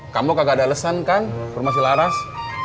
kamu gak ada alasan kan permasi laras